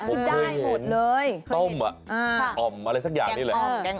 ผมเคยเห็นต้มอ่ะแกงอ่อมอะไรสักอย่างนี่แหละ